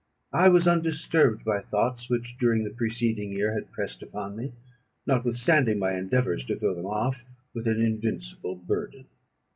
I was undisturbed by thoughts which during the preceding year had pressed upon me, notwithstanding my endeavours to throw them off, with an invincible burden.